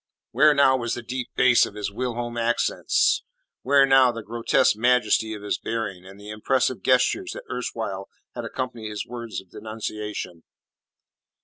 Where now was the deep bass of his whilom accents? Where now the grotesque majesty of his bearing, and the impressive gestures that erstwhile had accompanied his words of denunciation?